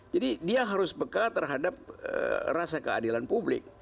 jadi dia harus bekal terhadap rasa keadilan publik